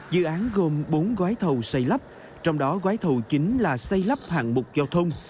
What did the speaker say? dự án gồm bốn gói thầu xây lắp trong đó gói thầu chính là xây lắp hạng mục giao thông